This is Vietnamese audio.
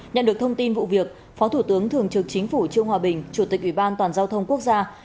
nhận được thông tin vụ việc phó thủ tướng thường trực chính phủ trương hòa bình chủ tịch ủy ban toàn giao thông quốc gia